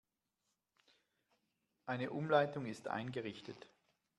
Eine Umleitung ist eingerichtet.